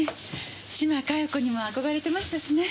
島加代子にも憧れてましたしね。